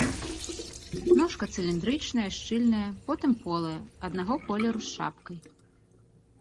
Ножка цыліндрычная, шчыльная, потым полая, аднаго колеру з шапкай.